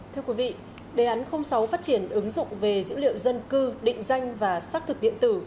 thưa quý vị đề án sáu phát triển ứng dụng về dữ liệu dân cư định danh và xác thực điện tử